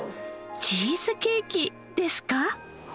チーズケーキですか？